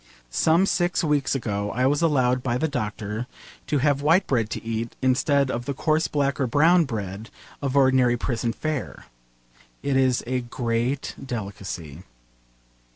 Some six weeks ago I was allowed by the doctor to have white bread to eat instead of the coarse black or brown bread of ordinary prison fare. It is a great delicacy.